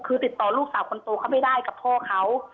คือติดต่อลูกสาวคนโตเขาไม่ได้กับพ่อเขา